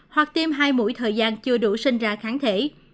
hoặc tiêm hai mũi thời gian chưa đủ sinh ra kháng thể